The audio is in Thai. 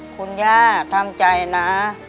คุณย่าทำใจนะ